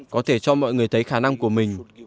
có thể cho mọi người thấy khả năng của mình